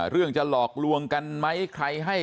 เรื่องจะหลอกลวงกันไหมใครให้